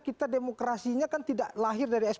kemudian kakak ican